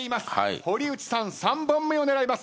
堀内さん３本目を狙います。